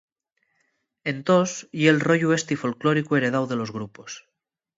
Entós, ye'l rollu esti folclóricu heredáu de los grupos.